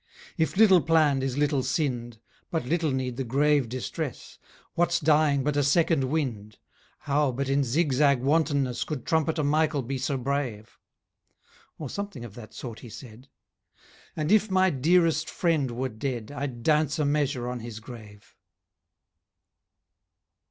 'If little planned is little sinned But little need the grave distress. What's dying but a second wind? How but in zigzag wantonness Could trumpeter Michael be so brave?' Or something of that sort he said, 'And if my dearest friend were dead I'd dance a measure on his grave.'